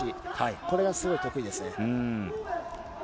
これがすごい得意ですね。